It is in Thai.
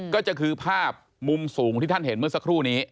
ก็คือภาพมุมสูงที่ท่านเห็นเมื่อสักครู่นี้